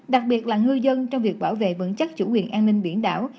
đặc biệt là ngư dân trong việc bảo vệ vững chắc chủ quyền an ninh biển đảo